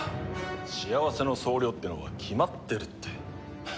幸せの総量ってのは決まってるって。